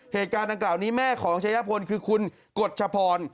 เหตุการณ์ดังกล่าวนี้แม่ของชายพลคือคุณกฎชพร